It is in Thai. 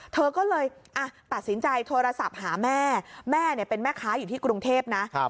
เธอก็เลยตัดสินใจโทรศัพท์หาแม่แม่เป็นแม่ค้าอยู่ที่กรุงเทพนะ